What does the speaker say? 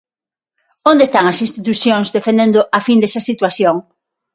¿Onde están as institucións defendendo a fin desa situación?